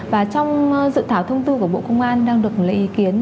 và trong dự thảo thông tư của bộ công an đang được lấy ý kiến